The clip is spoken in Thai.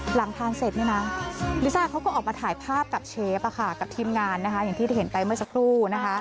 หลังทานเสร็จลิซ่าเขาก็ออกมาถ่ายภาพกับเชฟกับทีมงานอย่างที่ได้เห็นไปเมื่อสักครู่